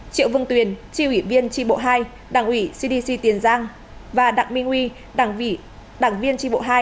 triệu vân tuyền tri ủy viên tri bộ hai đảng ủy cdc tiền giang và đặng minh huy đảng viên tri bộ hai